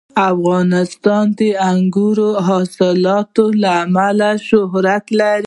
افغانستان د انګورو د حاصلاتو له امله شهرت لري.